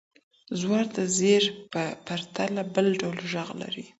زور د زېر په پرتله بل ډول ږغ لري.